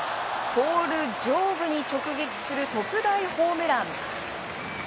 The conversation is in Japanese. ポール上部に直撃する特大ホームラン！